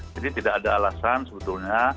jadi tidak ada alasan sebetulnya